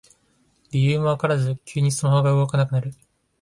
理由もわからず急にスマホが動かなくなる